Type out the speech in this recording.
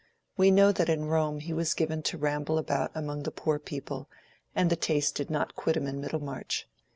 We know that in Rome he was given to ramble about among the poor people, and the taste did not quit him in Middlemarch.